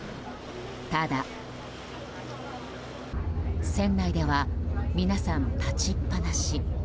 ただ、船内では皆さん立ちっぱなし。